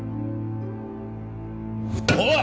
おい！